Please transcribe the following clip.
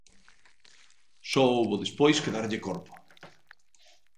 Só houbo despois que darlle corpo.